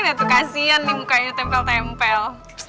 nek tuh kasian nih mukanya tempel tempel